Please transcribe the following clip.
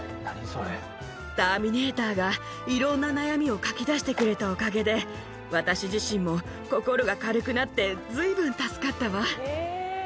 ターミネーターがいろんな悩みを書き出してくれたおかげで、私自身も心が軽くなって、ずいぶん助かったわ。